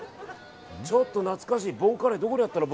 ちょっと懐かしいボンカレーどこにあったの？